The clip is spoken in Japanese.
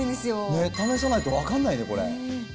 ねっ、試さないと分からないね、これ。